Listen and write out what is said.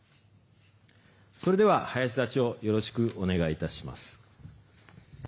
それでは、林座長よろしくお願いいたします。